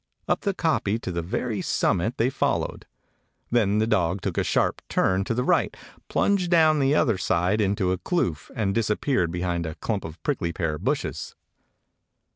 Up the kopje to the very summit they fol lowed. Then the dog took a sharp turn to the right, plunged down the other side into a kloof, and disappeared behind a clump of prickly pear bushes.